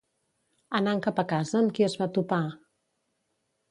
Anant cap a casa, amb qui es va topar?